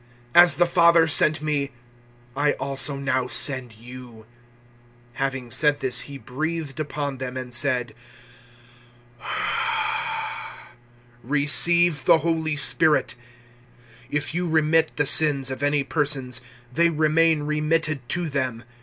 As the Father sent me, I also now send you." 020:022 Having said this He breathed upon them and said, "Receive the Holy Spirit. 020:023 If you remit the sins of any persons, they remain remitted to them.